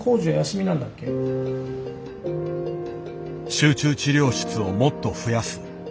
☎集中治療室をもっと増やす。